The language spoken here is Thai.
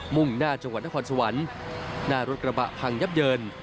่งหน้าจังหวัดนครสวรรค์หน้ารถกระบะพังยับเยิน